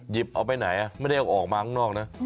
หยิบไปเอาใหนไม่ได้เอาออกมาข้างนอกนะ